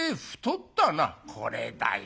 「これだよ。